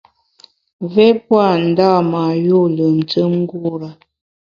Mvé pua ndâ mâ yû lùmntùm ngure.